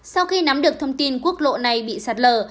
sau khi nắm được thông tin quốc lộ này bị sạt lở